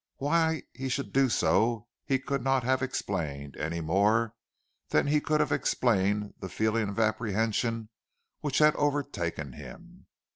Why he should do so he could not have explained, any more than he could have explained the feeling of apprehension which had overtaken him.